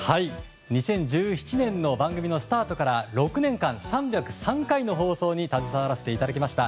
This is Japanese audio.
２０１７年の番組スタートから６年間、３０３回の放送に携わらせていただきました。